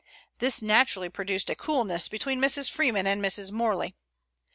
This naturally produced a coolness between Mrs. Freeman and Mrs. Morley.